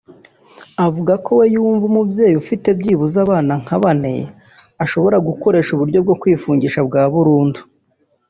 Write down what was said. Avuga ko we yumva umubyeyi ufite byibuze abana nka bane ashobora gukoresha uburyo bwo kwifungisha burundu